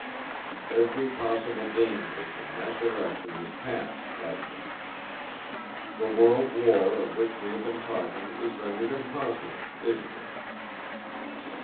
Every possible danger from that direction has passed, hasn't it? The world war of which we have been talking is rendered impossible, isn't it?"